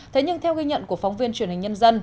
thế nhưng theo ghi nhận của phóng viên truyền hình nhân dân